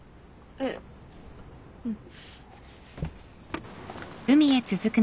えっうん。